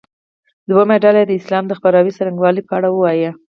دویمه ډله دې د اسلام د خپراوي څرنګوالي په اړه ووایي.